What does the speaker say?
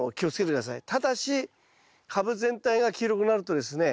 ただし株全体が黄色くなるとですね